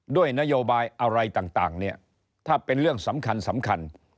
ด้วยนโยบายอะไรต่างเนี่ยถ้าเป็นเรื่องสำคัญ